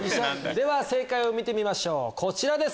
では正解を見てみましょうこちらです！